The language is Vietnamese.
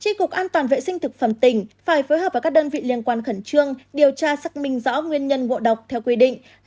tri cục an toàn vệ sinh thực phẩm tỉnh phải phối hợp với các đơn vị liên quan khẩn trương điều tra xác minh rõ nguyên nhân ngộ độc theo quy định